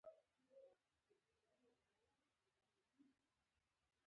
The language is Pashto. د مفکورو اختلاف فاجعه نه بلکې یو فرصت دی.